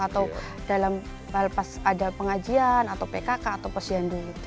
atau dalam hal pas ada pengajian atau pkk atau pesjian dwi